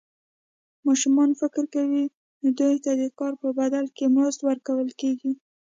ماشومان فکر کوي دوی ته د کار په بدل کې مزد ورکول کېږي.